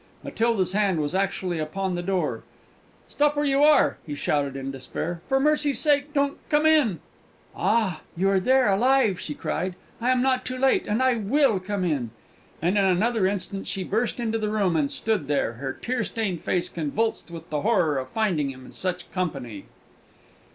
Matilda's hand was actually on the door. "Stop where you are!" he shouted, in despair; "for mercy's sake, don't come in!" [Illustration: "STOP WHERE YOU ARE!... FOR MERCY'S SAKE, DON'T COME IN!"] "Ah! you are there, and alive!" she cried. "I am not too late; and I will come in!" And in another instant she burst into the room, and stood there, her tear stained face convulsed with the horror of finding him in such company.